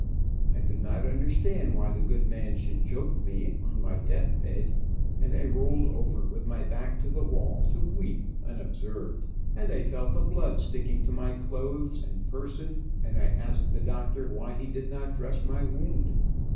I could not understand why the good man should joke me, on my death bed, and I rolled over with my back to the wall, to weep, unobserved, and I felt the blood sticking to my clothes and person, and I asked the doctor why he did not dress my wound.